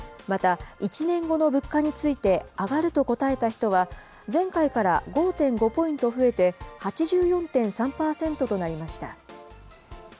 また、１年後の物価について上がると答えた人は、前回から５．５ポイント増えて、８４．３％となりました。